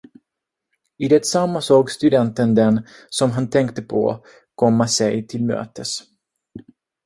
I detsamma såg studenten den, som han tänkte på, komma sig till mötes.